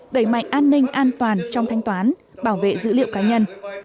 đẩy mạnh an ninh an toàn trong thanh toán bảo vệ dữ liệu cá nhân